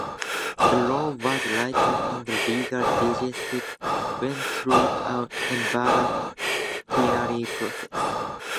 The laws as written in the legal digests went through an evolutionary process.